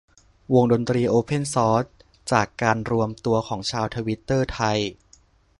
วงดนตรีโอเพ่นซอร์ส จากการรวมตัวของชาวทวิตเตอร์ไทย